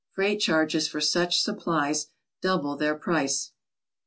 Freight charges for such supplies double their price.